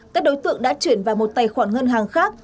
các đối tượng đã chuyển vào một tài khoản ngân hàng khác